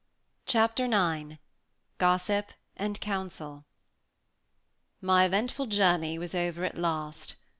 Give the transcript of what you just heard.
Chapter IX GOSSIP AND COUNSEL My eventful journey was over at last.